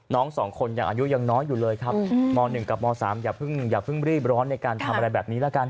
น้อง๒คนยังอายุยังน้อยอยู่เลยครับม๑กับม๓อย่าเพิ่งรีบร้อนในการทำอะไรแบบนี้ละกัน